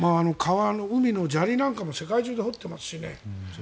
海の砂利なんかも世界中で掘ってますしね。